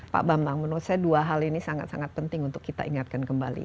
pak bambang menurut saya dua hal ini sangat sangat penting untuk kita ingatkan kembali